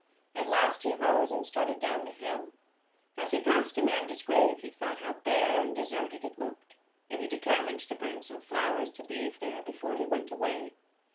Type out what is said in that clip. At last he rose and started down the hill. As he passed Amanda's grave he thought how bare and deserted it looked ; and he determined to bring some flowers to leave there before he went away.